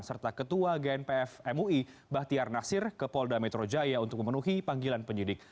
serta ketua gnpf mui bahtiar nasir ke polda metro jaya untuk memenuhi panggilan penyidik